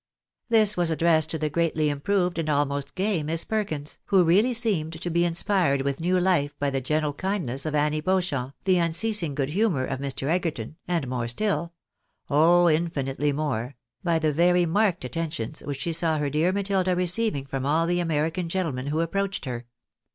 " This was addressed to the greatly improved and almost gay Miss Perkins, who really seemed to be inspired with new life by the gentle kindness of Annie Beauchamp, the unceasing good humour of Mr. Egerton, and more stiU — oh, infinitely more — by the very marked attentions which she saw her dear Matilda receiving from •U the American gentlemen who approached her.